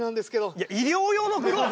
いや医療用のグローブ？